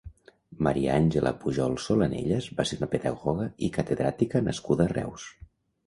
Maria Angela Pujol Solanellas va ser una pedagoga i catedràtica nascuda a Reus.